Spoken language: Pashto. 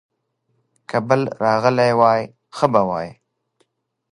که بل راغلی وای، ښه به وای.